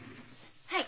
はい。